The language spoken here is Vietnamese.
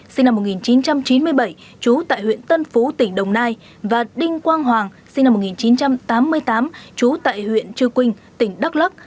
sinh năm một nghìn chín trăm chín mươi bảy trú tại huyện tân phú tỉnh đồng nai và đinh quang hoàng sinh năm một nghìn chín trăm tám mươi tám trú tại huyện chư quynh tỉnh đắk lắc